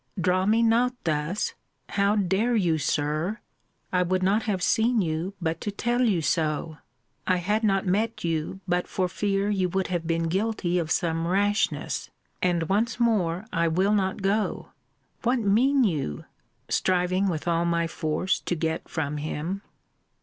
[draw me not thus How dare you, Sir? I would not have seen you, but to tell you so]. I had not met you, but for fear you would have been guilty of some rashness and, once more, I will not go What mean you? striving with all my force to get from him.